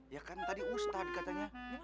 ya kan tadi ustadz katanya